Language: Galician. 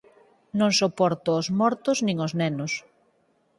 Non soporto os mortos nin os nenos.